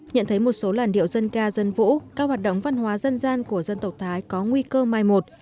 nhận thấy một số làn điệu dân ca dân vũ các hoạt động văn hóa dân gian của dân tộc thái có nguy cơ mai một